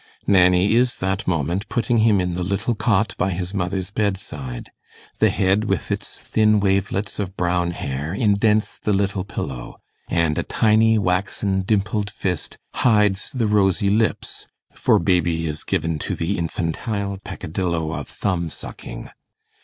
Nanny is that moment putting him in the little cot by his mother's bedside; the head, with its thin wavelets of brown hair, indents the little pillow; and a tiny, waxen, dimpled fist hides the rosy lips, for baby is given to the infantile peccadillo of thumb sucking.